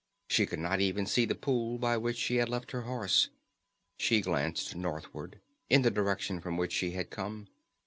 She could not even see the pool by which she had left her horse. She glanced northward, in the direction from which she had come.